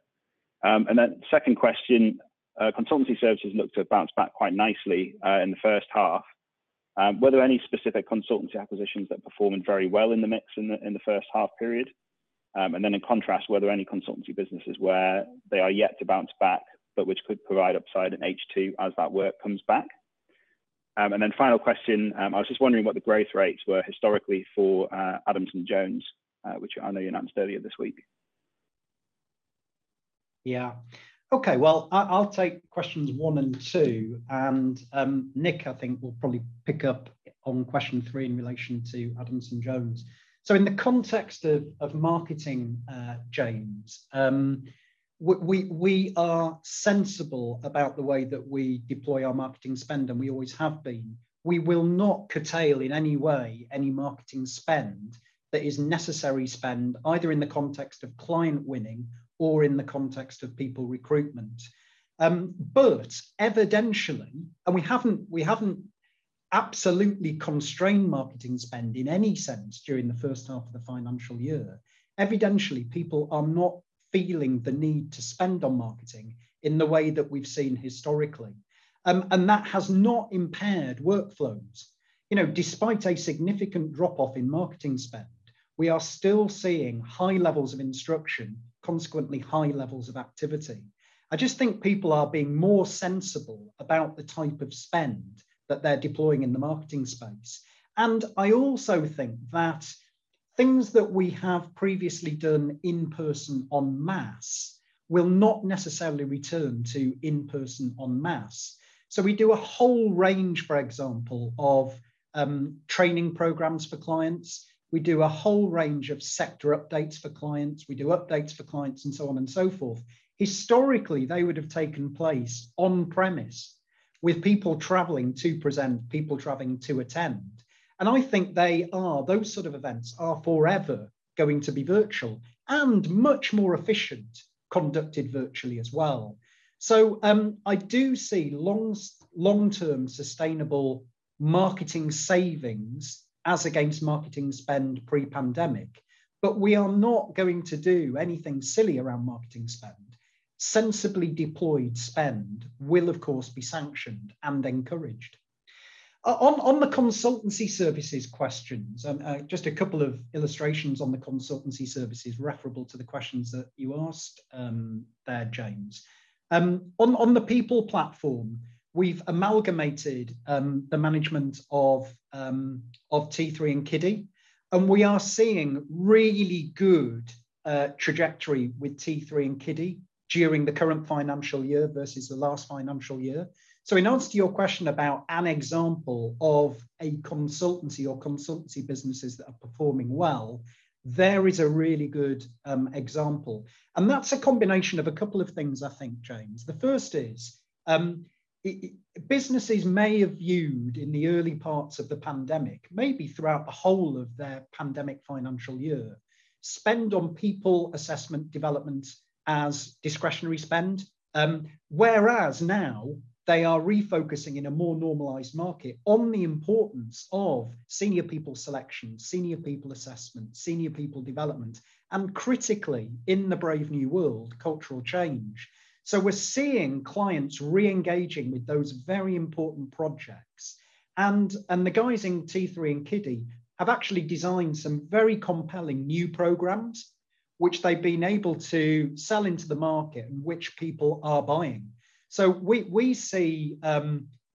Second question, consultancy services looked to have bounced back quite nicely in the first half. Were there any specific consultancy acquisitions that performed very well in the mix in the first half period? In contrast, were there any consultancy businesses where they are yet to bounce back but which could provide upside in H2 as that work comes back? Final question, I was just wondering what the growth rates were historically for Adamson Jones, which I know you announced earlier this week. Yeah. Okay. Well, I'll take questions one and two, and Nick, I think, will probably pick up on question three in relation to Adamson Jones. In the context of marketing, James, we are sensible about the way that we deploy our marketing spend, and we always have been. We will not curtail in any way any marketing spend that is necessary spend either in the context of client winning or in the context of people recruitment. Evidentially, we haven't absolutely constrained marketing spend in any sense during the first half of the financial year. Evidentially, people are not feeling the need to spend on marketing in the way that we've seen historically. That has not impaired workflows. You know, despite a significant drop-off in marketing spend, we are still seeing high levels of instruction, consequently high levels of activity. I just think people are being more sensible about the type of spend that they're deploying in the marketing space. I also think that things that we have previously done in person en masse will not necessarily return to in person en masse. We do a whole range, for example, of training programs for clients. We do a whole range of sector updates for clients. We do updates for clients, and so on and so forth. Historically, they would have taken place on premise with people traveling to present, people traveling to attend, and I think they are, those sort of events are forever going to be virtual and much more efficient conducted virtually as well. I do see long-term sustainable marketing savings as against marketing spend pre-pandemic, but we are not going to do anything silly around marketing spend. Sensibly deployed spend will, of course, be sanctioned and encouraged. On the consultancy services questions, just a couple of illustrations on the consultancy services referable to the questions that you asked, there, James. On the people platform, we've amalgamated the management of t-three and Kiddy, and we are seeing really good trajectory with t-three and Kiddy during the current financial year versus the last financial year. In answer to your question about an example of a consultancy or consultancy businesses that are performing well, there is a really good example, and that's a combination of a couple of things I think, James. The first is, businesses may have viewed in the early parts of the pandemic, maybe throughout the whole of their pandemic financial year, spend on people assessment development as discretionary spend, whereas now they are refocusing in a more normalized market on the importance of senior people selection, senior people assessment, senior people development, and critically, in the brave new world, cultural change. We're seeing clients re-engaging with those very important projects and the guys in t-three and Kiddy have actually designed some very compelling new programs which they've been able to sell into the market and which people are buying.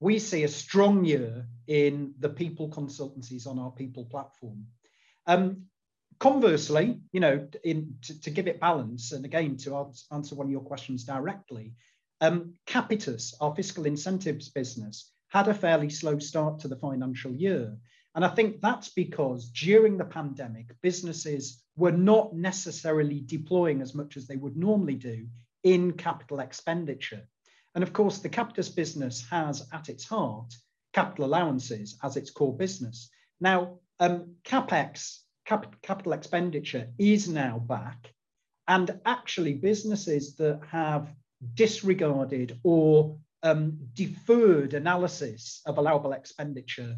We see a strong year in the people consultancies on our people platform. Conversely, you know, to give it balance and again to answer one of your questions directly, Capitus, our fiscal incentives business, had a fairly slow start to the financial year, and I think that's because during the pandemic, businesses were not necessarily deploying as much as they would normally do in capital expenditure. Of course, the Capitus business has at its heart capital allowances as its core business. Now, CapEx, capital expenditure is now back, and actually businesses that have disregarded or deferred analysis of allowable expenditure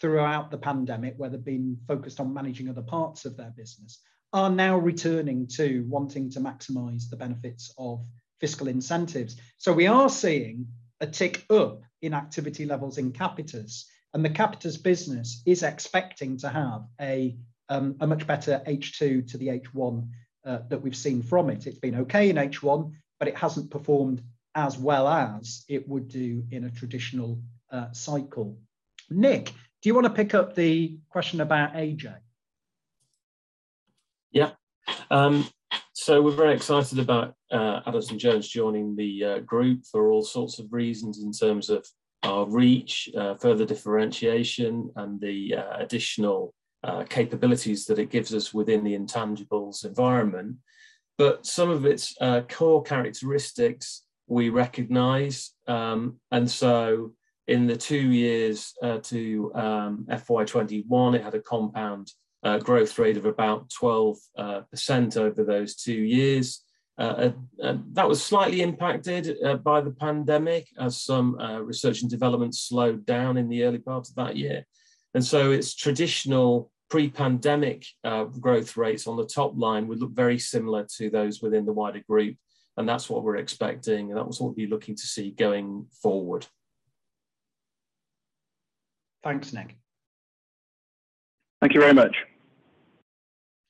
throughout the pandemic, where they've been focused on managing other parts of their business, are now returning to wanting to maximize the benefits of fiscal incentives. We are seeing a tick up in activity levels in Capitus, and the Capitus business is expecting to have a much better H2 than the H1 that we've seen from it. It's been okay in H1, but it hasn't performed as well as it would do in a traditional cycle. Nick, do you wanna pick up the question about AJ? Yeah. We're very excited about Adamson Jones joining the group for all sorts of reasons in terms of our reach, further differentiation and the additional capabilities that it gives us within the intangibles environment. Some of its core characteristics we recognize, and in the two years to FY 2021, it had a compound growth rate of about 12% over those two years. That was slightly impacted by the pandemic as some research and development slowed down in the early part of that year. Its traditional pre-pandemic growth rates on the top line would look very similar to those within the wider group, and that's what we're expecting, and that's what we'll be looking to see going forward. Thanks, Nick. Thank you very much.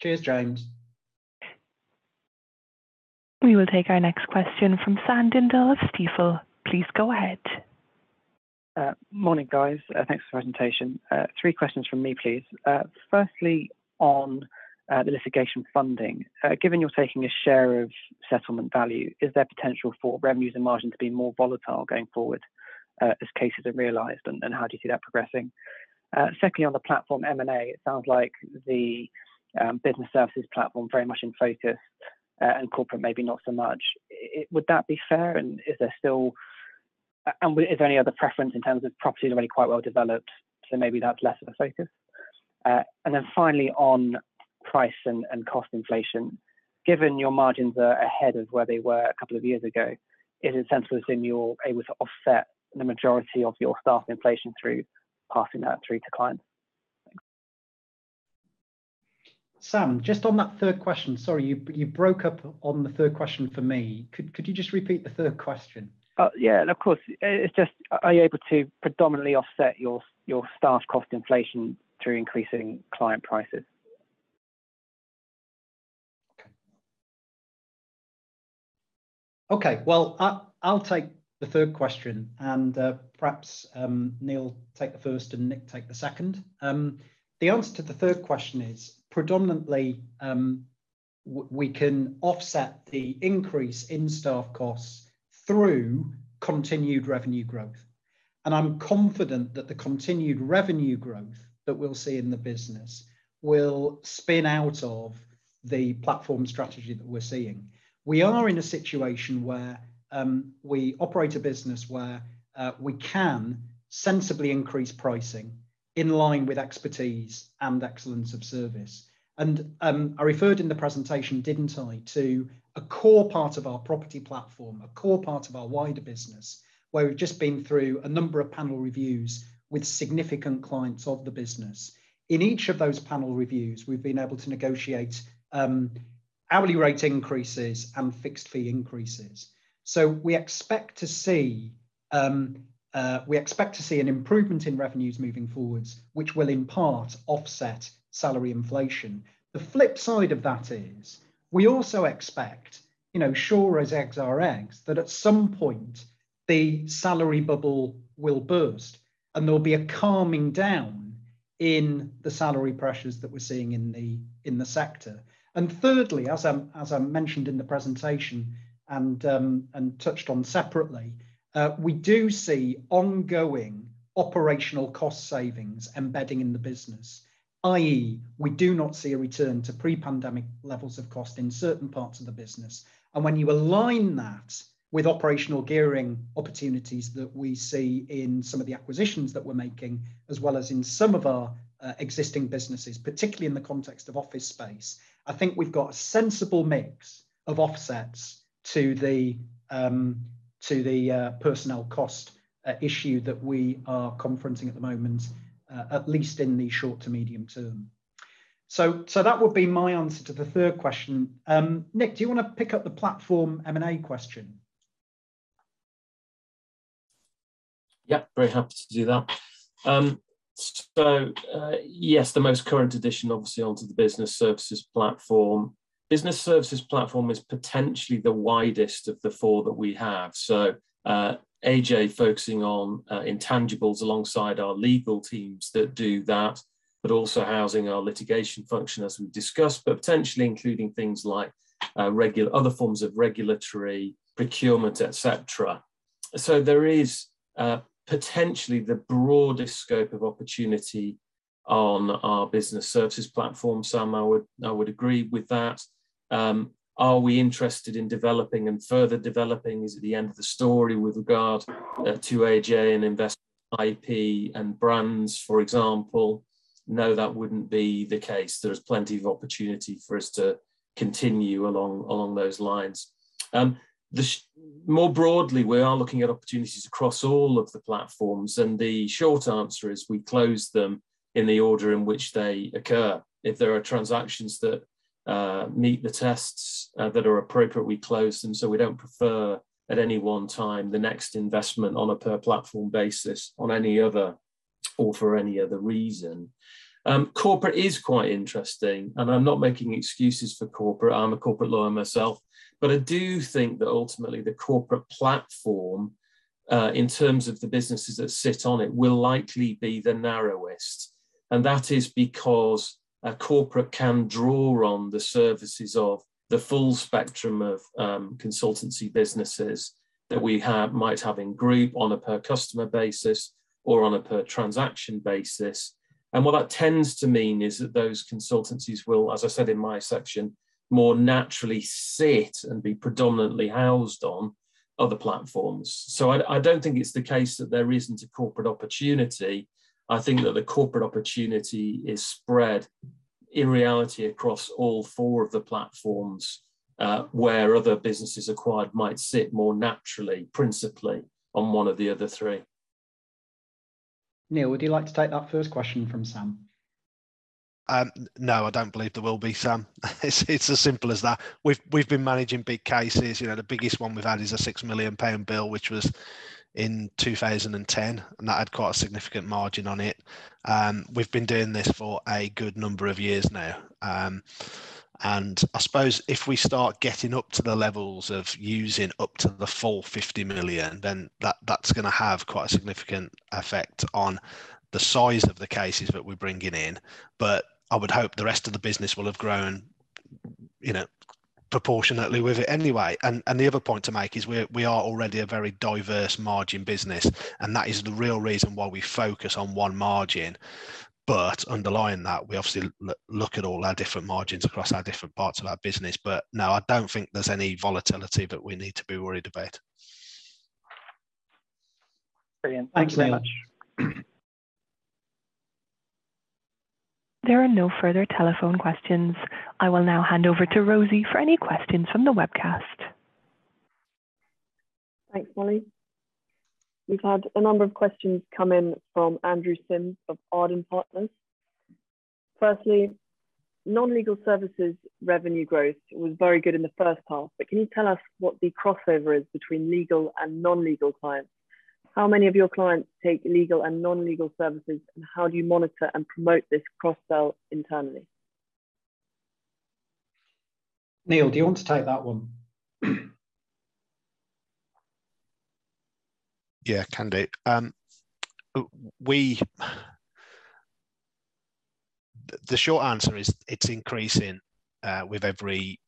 Cheers, James. We will take our next question from Sam Dindol of Stifel. Please go ahead. Morning, guys. Thanks for the presentation. Three questions from me, please. Firstly on the litigation funding. Given you're taking a share of settlement value, is there potential for revenues and margins to be more volatile going forward as cases are realized, and how do you see that progressing? Secondly, on the platform M&A, it sounds like the Business Services platform very much in focus, and corporate maybe not so much. Would that be fair, and is there any other preference in terms of properties already quite well developed, so maybe that's less of a focus? Finally on price and cost inflation. Given your margins are ahead of where they were a couple of years ago, is it sensible in that you're able to offset the majority of your staff inflation through passing that through to clients? Thanks. Sam, just on that third question. Sorry, you broke up on the third question for me. Could you just repeat the third question? Yeah, of course. It's just, are you able to predominantly offset your staff cost inflation through increasing client prices? Okay, well, I'll take the third question, and perhaps Neil take the first and Nick take the second. The answer to the third question is predominantly we can offset the increase in staff costs through continued revenue growth, and I'm confident that the continued revenue growth that we'll see in the business will spin out of the platform strategy that we're seeing. We are in a situation where we operate a business where we can sensibly increase pricing in line with expertise and excellence of service. I referred in the presentation, didn't I, to a core part of our property platform, a core part of our wider business, where we've just been through a number of panel reviews with significant clients of the business. In each of those panel reviews, we've been able to negotiate hourly rate increases and fixed fee increases. We expect to see an improvement in revenues moving forward, which will in part offset salary inflation. The flip side of that is we also expect, you know, sure as eggs are eggs, that at some point the salary bubble will burst, and there'll be a calming down in the salary pressures that we're seeing in the sector. Thirdly, as I mentioned in the presentation and touched on separately, we do see ongoing operational cost savings embedding in the business, i.e., we do not see a return to pre-pandemic levels of cost in certain parts of the business. When you align that with operational gearing opportunities that we see in some of the acquisitions that we're making, as well as in some of our existing businesses, particularly in the context of office space, I think we've got a sensible mix of offsets to the personnel cost issue that we are confronting at the moment, at least in the short to medium term. That would be my answer to the third question. Nick, do you wanna pick up the platform M&A question? Yeah, very happy to do that. Yes, the most current addition obviously onto the Business Services Platform. Business Services Platform is potentially the widest of the four that we have. AJ focusing on intangibles alongside our legal teams that do that, but also housing our litigation function as we've discussed, but potentially including things like other forms of regulatory procurement, et cetera. There is potentially the broadest scope of opportunity. On our Business Services Platform, Sam, I would agree with that. Are we interested in developing and further developing? Is it the end of the story with regard to AJ and investment IP and brands, for example? No, that wouldn't be the case. There's plenty of opportunity for us to continue along those lines. More broadly, we are looking at opportunities across all of the platforms, and the short answer is we close them in the order in which they occur. If there are transactions that meet the tests that are appropriate, we close them, so we don't prefer at any one time the next investment on a per platform basis on any other or for any other reason. Corporate is quite interesting, and I'm not making excuses for corporate. I'm a corporate lawyer myself, but I do think that ultimately the corporate platform, in terms of the businesses that sit on it, will likely be the narrowest. That is because a corporate can draw on the services of the full spectrum of consultancy businesses that we have, might have in group on a per customer basis or on a per transaction basis. What that tends to mean is that those consultancies will, as I said in my section, more naturally sit and be predominantly housed on other platforms. I don't think it's the case that there isn't a corporate opportunity. I think that the corporate opportunity is spread in reality across all four of the platforms, where other businesses acquired might sit more naturally, principally on one of the other three. Neil, would you like to take that first question from Sam? No, I don't believe there will be Sam. It's as simple as that. We've been managing big cases. You know, the biggest one we've had is a 6 million pound bill, which was in 2010, and that had quite a significant margin on it. We've been doing this for a good number of years now. I suppose if we start getting up to the levels of using up to the full 50 million, then that's gonna have quite a significant effect on the size of the cases that we're bringing in. I would hope the rest of the business will have grown, you know, proportionately with it anyway. The other point to make is we're already a very diverse margin business, and that is the real reason why we focus on one margin. Underlying that, we obviously look at all our different margins across our different parts of our business. No, I don't think there's any volatility that we need to be worried about. Brilliant. Thanks, Neil. Thank you very much. There are no further telephone questions. I will now hand over to Rosie for any questions from the webcast. Thanks, Molly. We've had a number of questions come in from Andrew Simms of Arden Partners. First, non-legal services revenue growth was very good in the first half, but can you tell us what the crossover is between legal and non-legal clients? How many of your clients take legal and non-legal services, and how do you monitor and promote this cross-sell internally? Neil, do you want to take that one? Yeah, can do. The short answer is it's increasing with every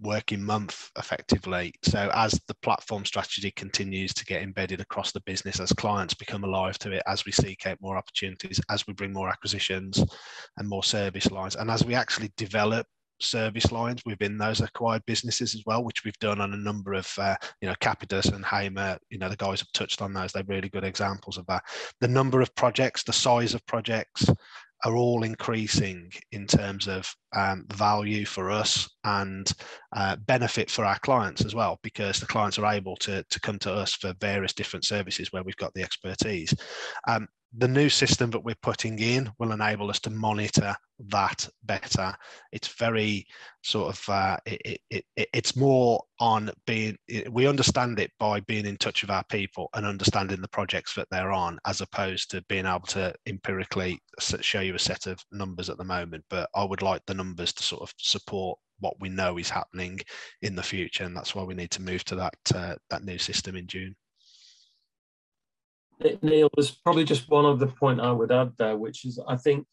working month effectively. As the platform strategy continues to get embedded across the business, as clients become alive to it, as we seek out more opportunities, as we bring more acquisitions and more service lines, and as we actually develop service lines within those acquired businesses as well, which we've done on a number of, you know, Capitus and Hamer, you know, the guys have touched on those. They're really good examples of that. The number of projects, the size of projects are all increasing in terms of value for us and benefit for our clients as well, because the clients are able to come to us for various different services where we've got the expertise. The new system that we're putting in will enable us to monitor that better. It's very sort of. It's more on being in touch with our people and understanding the projects that they're on, as opposed to being able to empirically show you a set of numbers at the moment. I would like the numbers to sort of support what we know is happening in the future, and that's why we need to move to that new system in June. Neil, there's probably just one other point I would add there, which is I think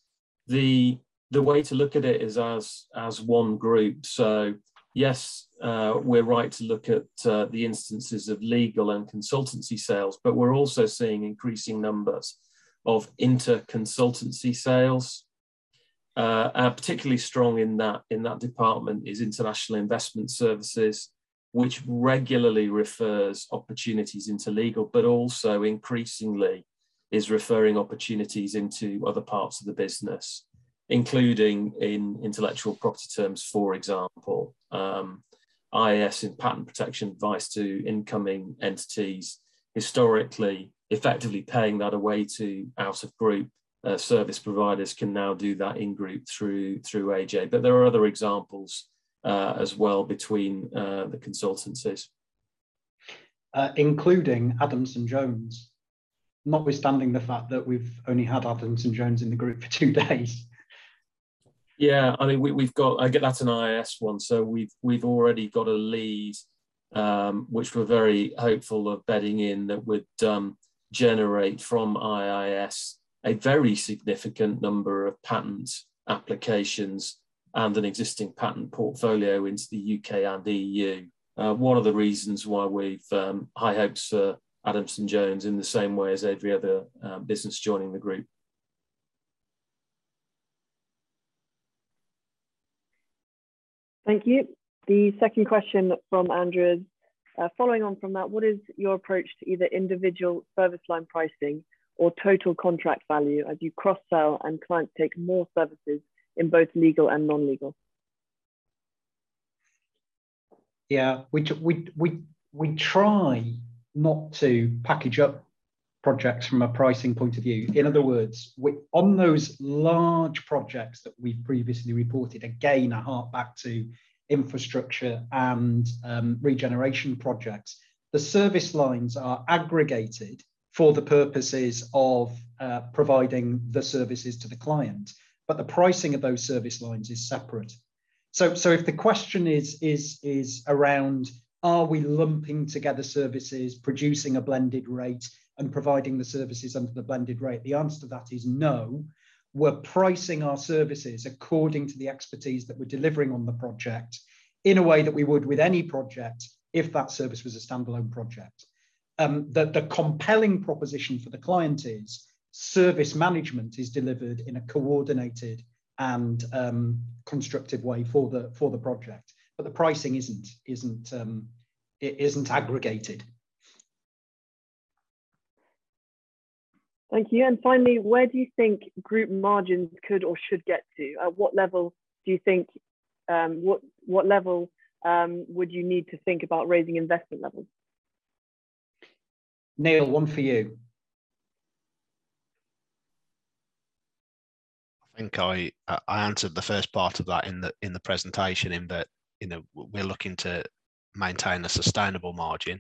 the way to look at it is as one group. Yes, we're right to look at the instances of legal and consultancy sales, but we're also seeing increasing numbers of interconsultancy sales, which are particularly strong in that department, International Investment Services, which regularly refers opportunities into legal, but also increasingly is referring opportunities into other parts of the business, including in intellectual property terms, for example. IIS and patent protection advice to incoming entities historically effectively paying that away to out-of-group service providers can now do that in-group through AJ. There are other examples as well between the consultancies. Including Adamson Jones, notwithstanding the fact that we've only had Adamson Jones in the group for two days. Yeah. I mean, we've got. Again, that's an IIS one. So we've already got a lead, which we're very hopeful of bedding in that would generate from IIS a very significant number of patent applications and an existing patent portfolio into the U.K. and the E.U. One of the reasons why we've high hopes for Adamson Jones in the same way as every other business joining the group. Thank you. The second question from Andrew is, following on from that, what is your approach to either individual service line pricing or total contract value as you cross-sell and clients take more services in both legal and non-legal? Yeah. We try not to package up projects from a pricing point of view. In other words, on those large projects that we've previously reported, again, I hark back to infrastructure and regeneration projects, the service lines are aggregated for the purposes of providing the services to the client, but the pricing of those service lines is separate. If the question is around are we lumping together services, producing a blended rate, and providing the services under the blended rate, the answer to that is no. We're pricing our services according to the expertise that we're delivering on the project in a way that we would with any project if that service was a standalone project. The compelling proposition for the client is service management delivered in a coordinated and constructive way for the project, but the pricing isn't aggregated. Thank you. Finally, where do you think group margins could or should get to? At what level do you think? What level would you need to think about raising investment levels? Neil, one for you. I think I answered the first part of that in the presentation in that, you know, we're looking to maintain a sustainable margin.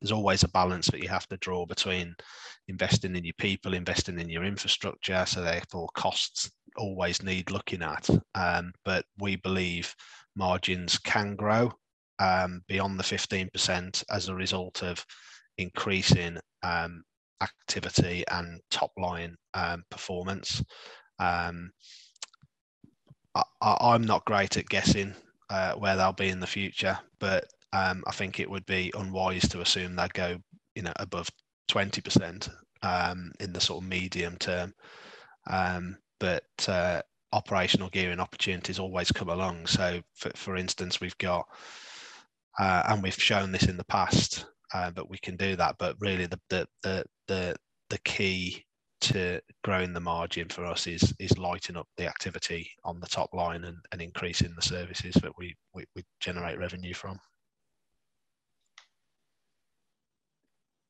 There's always a balance that you have to draw between investing in your people, investing in your infrastructure, so therefore costs always need looking at. We believe margins can grow beyond the 15% as a result of increasing activity and top line performance. I’m not great at guessing where they'll be in the future, but I think it would be unwise to assume they'd go, you know, above 20% in the sort of medium term. Operational gearing opportunities always come along. For instance, we've got. We've shown this in the past that we can do that. Really the key to growing the margin for us is lighting up the activity on the top line and increasing the services that we generate revenue from.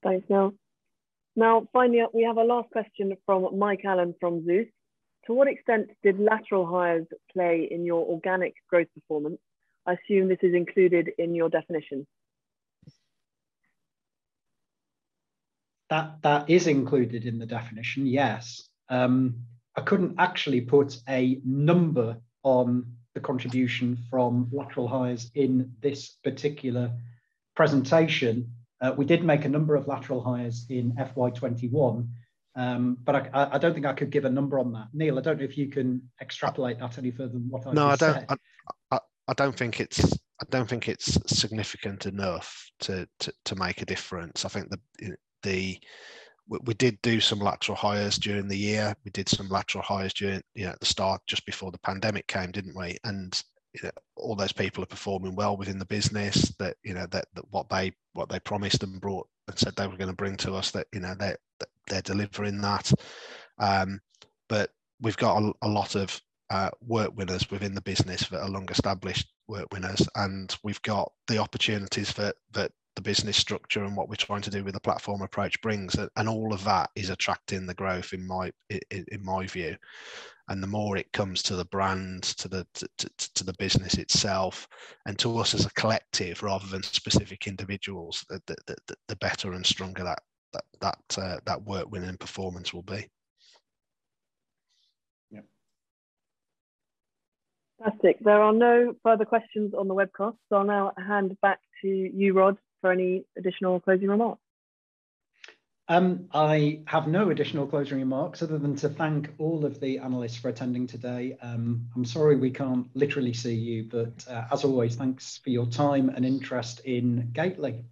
Thanks, Neil. Now finally, we have a last question from Mike Allen from Zeus. To what extent did lateral hires play in your organic growth performance? I assume this is included in your definition. That is included in the definition, yes. I couldn't actually put a number on the contribution from lateral hires in this particular presentation. We did make a number of lateral hires in FY 2021, but I don't think I could give a number on that. Neil, I don't know if you can extrapolate that any further than what I've just said. No, I don't think it's significant enough to make a difference. I think we did do some lateral hires during the year, you know, at the start, just before the pandemic came, didn't we? You know, all those people are performing well within the business. You know, that's what they promised and brought and said they were gonna bring to us, you know, they're delivering that. But we've got a lot of workforces within the business that are long-established, and we've got the opportunities that the business structure and what we're trying to do with the platform approach brings. All of that is attracting the growth in my view. The more it comes to the brand, to the business itself and to us as a collective rather than specific individuals, the better and stronger that work within performance will be. Yeah. Fantastic. There are no further questions on the webcast, so I'll now hand back to you, Rod, for any additional closing remarks. I have no additional closing remarks other than to thank all of the analysts for attending today. I'm sorry we can't literally see you, but, as always, thanks for your time and interest in Gateley.